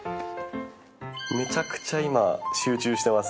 めちゃくちゃ今集中してます。